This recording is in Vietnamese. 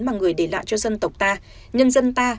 mà người để lại cho dân tộc ta nhân dân ta